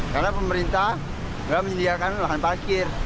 karena pemerintah tidak menyediakan lahan parkir